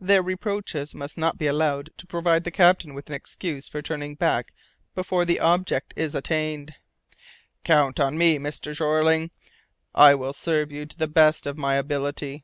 Their reproaches must not be allowed to provide the captain with an excuse for turning back before the object is attained." "Count on me, Mr. Jeorling, I will serve you to the best of my ability."